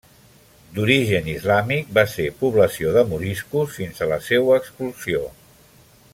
D'origen islàmic, va ser població de moriscos fins a la seua expulsió.